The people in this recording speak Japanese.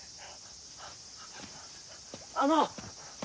あの！